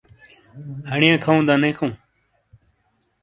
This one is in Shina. ہانیئے کَھوں دا نے کھَوں؟